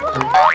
kok pada pergi